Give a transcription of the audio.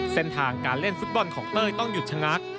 เส้นทางการเล่นฟุตบอลของเต้ยต้องหยุดชะงัก